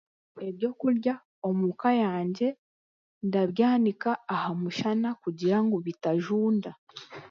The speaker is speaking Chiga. Ebyokurya omu ka yangye, ndabyanika aha mushana kugira ngu bitajunda.